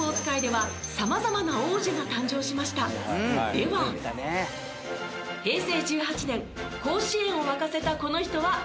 では平成１８年甲子園を沸かせたこの人は何王子？